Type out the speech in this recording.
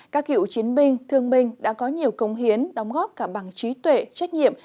các cựu chiến binh thương binh đã có nhiều công hiến đóng góp cả bằng trí tuệ trách nhiệm